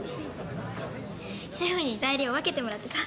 シェフに材料分けてもらってさ。